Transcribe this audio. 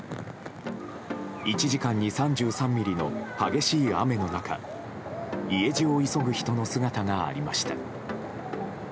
１時間に３３ミリの激しい雨の中家路を急ぐ人の姿がありました。